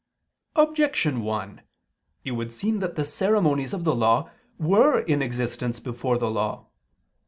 Objection 1: It would seem that the ceremonies of the Law were in existence before the Law.